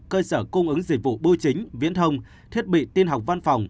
cơ sở cung ứng dịch vụ bưu chính viễn thông thiết bị tin học văn phòng